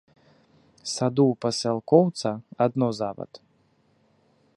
Саду ў пасялкоўца адно завад.